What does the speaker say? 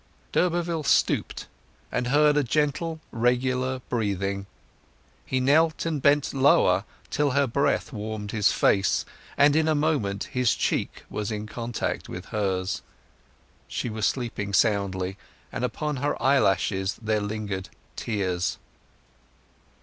D'Urberville stooped; and heard a gentle regular breathing. He knelt and bent lower, till her breath warmed his face, and in a moment his cheek was in contact with hers. She was sleeping soundly, and upon her eyelashes there lingered tears.